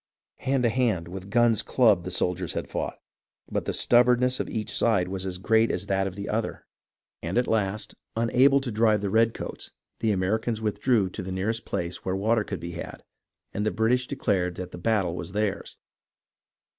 Hand to hand, with guns clubbed, the soldiers had fought, but the stubbornness of each side was as great GREENE'S WORK IN THE SOUTH 343 as that of the other, and at last, unable to drive the red coats, the Americans withdrew to the nearest place where water could be had, and the British declared that the battle was theirs.